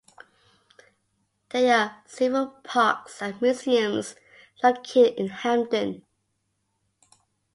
There are several parks and museums located in Hamden.